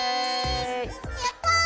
やった！